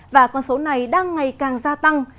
và con số này đang ngày càng gia tăng